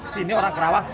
sini orang kerawang